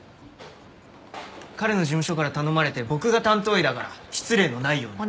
彼の事務所から頼まれて僕が担当医だから失礼のないように。